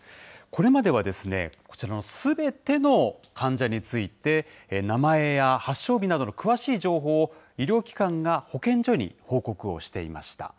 これまではこちらのすべての患者について、名前や発症日などの詳しい情報を、医療機関が保健所に報告をしていました。